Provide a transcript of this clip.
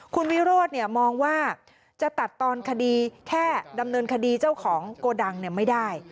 คุณวิโรธมองว่าจะตัดตอนคดีแค่ดำเนินคดีเจ้าของโกดังไม่ได้